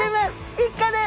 一荷です。